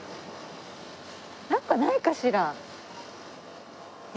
なんかないかしら？